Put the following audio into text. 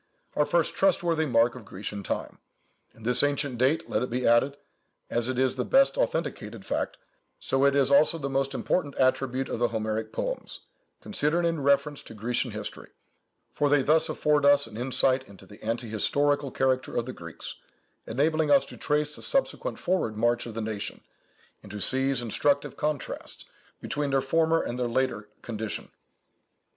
our first trustworthy mark of Grecian time; and this ancient date, let it be added, as it is the best authenticated fact, so it is also the most important attribute of the Homeric poems, considered in reference to Grecian history; for they thus afford us an insight into the anti historical character of the Greeks, enabling us to trace the subsequent forward march of the nation, and to seize instructive contrasts between their former and their later condition."